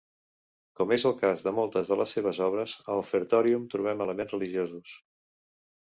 Com és el cas de moltes de les seves obres, a "Offertorium" trobem elements religiosos.